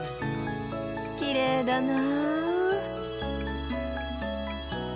きれいだな。